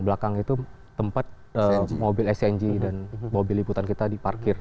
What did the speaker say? belakang itu tempat mobil sng dan mobil liputan kita diparkir